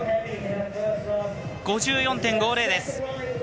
５４．５０です。